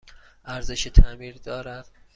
ارزش تعمیر دارد؟